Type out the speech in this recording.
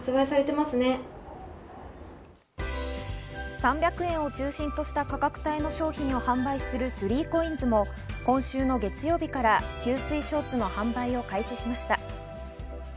３００円を中心とした価格帯の商品を販売する３ＣＯＩＮＳも今週の月曜日から吸水ショーツの販売を開始しました。